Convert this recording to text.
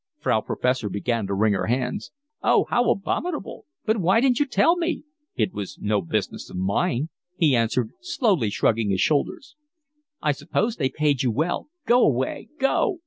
Frau Professor began to wring her hands. "Oh, how abominable! But why didn't you tell me?" "It was no business of mine," he answered, slowly shrugging his shoulders. "I suppose they paid you well. Go away. Go."